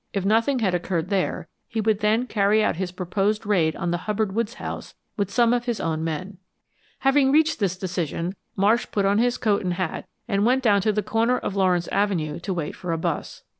If nothing had occurred there, he would then carry out his proposed raid on the Hubbard Woods house with some of his own men. Having reached this decision Marsh put on his coat and hat and went down to the corner of Lawrence Avenue to wait for a bus.